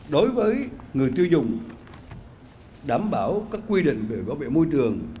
đối với người tiêu dùng đảm bảo các quy định về bảo vệ môi trường